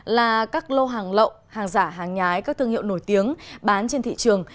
là các lô hàng lộng hàng giả hàng nhái các thương hiệu nổi tiếng bán trên thị trường